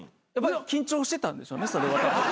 緊張してたんでしょうねそれは。